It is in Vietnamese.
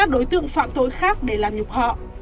đối tượng phạm tội khác để làm nhục họ